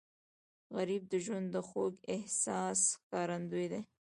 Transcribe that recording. غریب د ژوند د خوږ احساس ښکارندوی دی